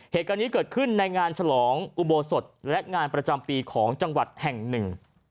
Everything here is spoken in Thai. เหตุการณ์นี้เกิดขึ้นในงานฉลองอุโบสถและงานประจำปีของจังหวัดแห่งหนึ่ง